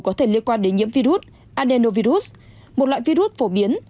có thể liên quan đến nhiễm virus adenovirus một loại virus phổ biến